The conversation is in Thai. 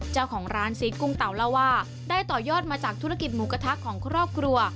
เจ้าของร้านซีสกุ้งเต่าเล่าว่าได้ต่อยอดมาจากธุรกิจหมูกระทะของครอบครัว